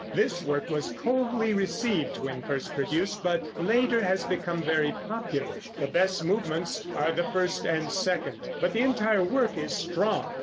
This work was coldly received when first produced, but later has become very popular. The best movements are the first and second, but the entire work is strong.